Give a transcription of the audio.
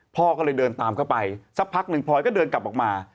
พ่อก็เลยเดินตามเข้าไปสักพักหนึ่งพลอยก็เดินกลับออกมา